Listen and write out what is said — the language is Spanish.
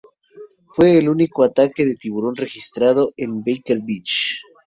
Fue el único ataque de tiburón registrado en Baker Beach.